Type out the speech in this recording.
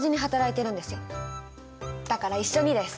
だから一緒にです。